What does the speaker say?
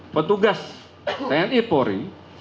petugas tni kori